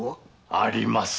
あります。